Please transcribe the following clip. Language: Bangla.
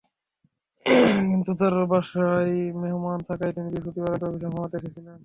কিন্তু তাঁর বাসায় মেহমান থাকায় তিনি বৃহস্পতিবার রাতে অফিসে ঘুমাতে এসেছিলেন।